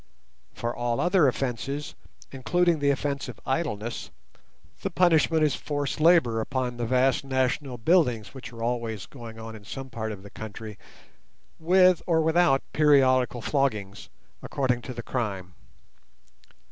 For all other offences, including the offence of idleness, the punishment is forced labour upon the vast national buildings which are always going on in some part of the country, with or without periodical floggings, according to the crime.